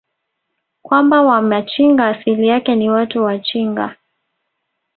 kwamba Wamachinga asili yake ni Watu wa chinga